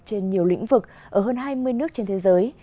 trên nhiều lĩnh vực ở hơn hai mươi nước trên thế giới